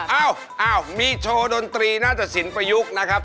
เอ้ามีโชว์ดนตรีนาตสินประยุกต์นะครับ